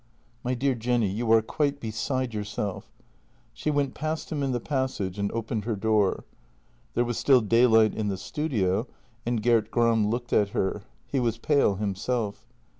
"My dear Jenny — you are quite beside yourself." She went past him in the passage and opened her door. There was still daylight in the studio and Gert Gram looked at her. He was pale himself.